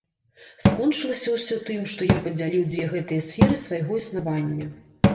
Скончылася ўсё тым, што я падзяліў дзве гэтыя сферы свайго існавання.